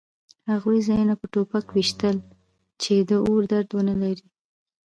هغوی ځانونه په ټوپک ویشتل چې د اور درد ونلري